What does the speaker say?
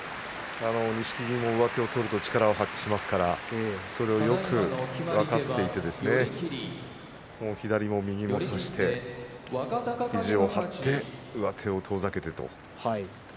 錦木も上手を取ると力を発揮しますからそれをよく分かっていて左も右も差して肘を張って上手を遠ざけてと。